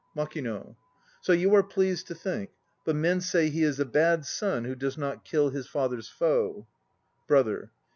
MAKINO. So you are pleased to think; but men say he is a bad son who does not kill his father's foe. BROTHER.